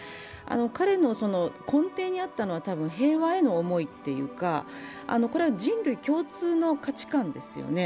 彼の根底にあったのは多分平和への思いというか、これは人類共通の価値観ですよね。